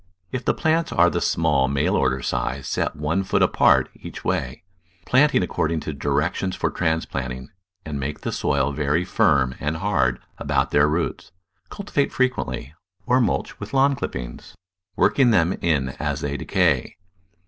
If the plants are the small mail order size set one foot apart each way, planting according to directions for transplant ing, and make the soil very firm and hard about their roots. Cultivate frequently, or mulch with lawn clippings, working them in as they decay.